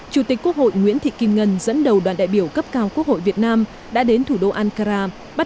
chủ tịch quốc hội nguyễn thị kim ngân dẫn đầu đoàn đại biểu cấp cao quốc hội việt nam đã đến thủ đô ankara